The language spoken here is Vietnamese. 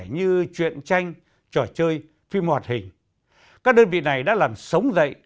như chuyện tranh trò chơi phim hoạt hình các đơn vị này đã làm sống dậy